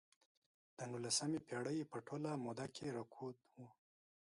د نولسمې پېړۍ په ټوله موده کې رکود و.